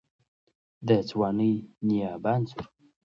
د ځوانۍ نایابه انځور